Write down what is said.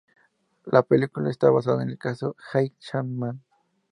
La película está basada en el caso Eichmann.